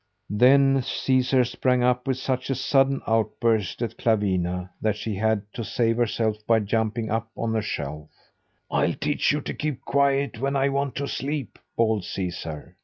Then Caesar sprang up with such a sudden outburst at Clawina that she had to save herself by jumping up on a shelf. "I'll teach you to keep quiet when I want to sleep," bawled Caesar.